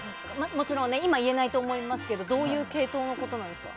もちろん今言えないと思いますけどどういう系統のことなんですか？